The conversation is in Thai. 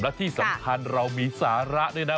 และที่สำคัญเรามีสาระด้วยนะ